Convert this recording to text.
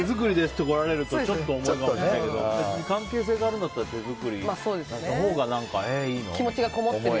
って来られるとちょっと重いかもしれないけど別に関係性があるんだったら手作りのほうがいいなって思える。